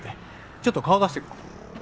ちょっと顔だしてくる。